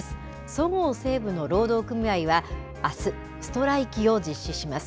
そごう・西武の労働組合はあす、ストライキを実施します。